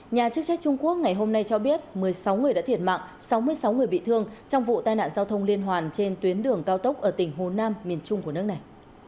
nhà chức trách trung quốc ngày hôm nay cho biết một mươi sáu người đã thiệt mạng sáu mươi sáu người bị thương trong vụ tai nạn giao thông liên hoàn trên tuyến đường cao tốc ở tỉnh hồ nam miền trung của nước này